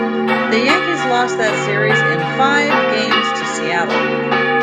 The Yankees lost that series in five games to Seattle.